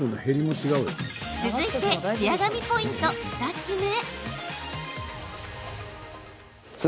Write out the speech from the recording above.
続いて、ツヤ髪ポイント２つ目。